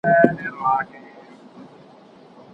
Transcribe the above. ساینس پوهان د تیږو قطر په ډېر دقت سره اندازه کوي.